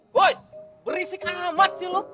woy berisik amat sih lo